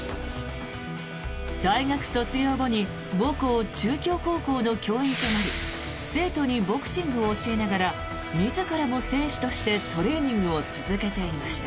大学卒業後に母校・中京高校の教員となり生徒にボクシングを教えながら自らも選手としてトレーニングを続けていました。